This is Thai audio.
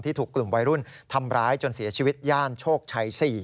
ถูกกลุ่มวัยรุ่นทำร้ายจนเสียชีวิตย่านโชคชัย๔